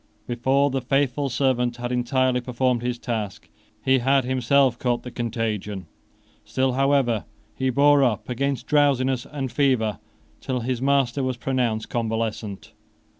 Before the faithful servant had entirely performed his task, he had himself caught the contagion. Still, however, he bore up against drowsiness and fever till his master was pronounced convalescent.